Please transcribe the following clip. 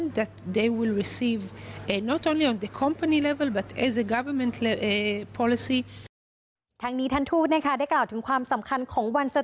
ทางนี้ท่านทูธแนะการได้กล่าวถึงความสำคัญยังที่ทางหนัก